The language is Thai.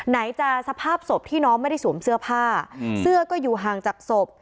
ไหนจะสภาพศพที่น้องไม่ได้สวมเสื้อผ้าเสื้อก็อยู่ห่างจากศพ